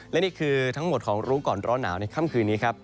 และนี่คือทั้งหมดของรู้ก่อนร้อนหนาวในค่ำคืนนี้ครับ